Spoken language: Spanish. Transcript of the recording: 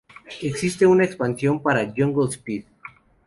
Existe una expansión para Jungle Speed.